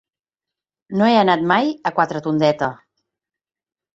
No he anat mai a Quatretondeta.